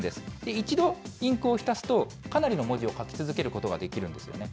一度、インクを浸すと、かなりの文字を書き続けることができるんですよね。